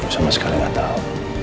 gue sama sekali gak tahu